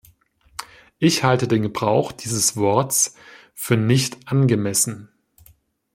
Ich halte den Gebrauch dieses Worts für nicht angemessen.